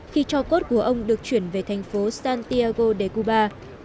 khi cho cốt của ông được chuyển về thành phố santiago để cuba